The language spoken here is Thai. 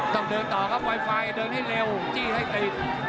ต้องเดินต่อครับไวไฟเดินให้เร็วจี้ให้ติด